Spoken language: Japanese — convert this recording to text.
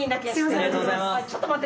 ありがとうございます。